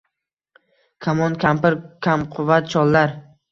Kamon — kampir, kamquvvat chollar.